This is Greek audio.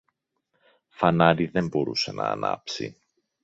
Φανάρι δεν μπορούσε να ανάψει